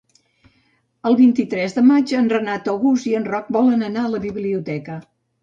El vint-i-tres de maig en Renat August i en Roc volen anar a la biblioteca.